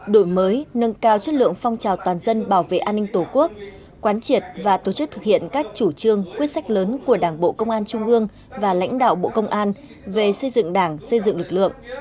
đổi mới nâng cao chất lượng phong trào toàn dân bảo vệ an ninh tổ quốc quán triệt và tổ chức thực hiện các chủ trương quyết sách lớn của đảng bộ công an trung ương và lãnh đạo bộ công an về xây dựng đảng xây dựng lực lượng